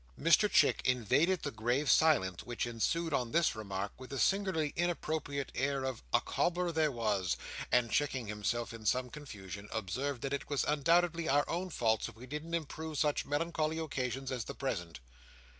Mr Chick invaded the grave silence which ensued on this remark with the singularly inappropriate air of "A cobbler there was;" and checking himself, in some confusion, observed, that it was undoubtedly our own faults if we didn't improve such melancholy occasions as the present.